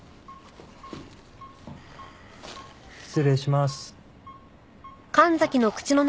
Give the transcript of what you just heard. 失礼します。